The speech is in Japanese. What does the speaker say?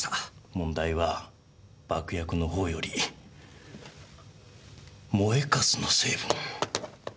問題は爆薬の方より燃えカスの成分。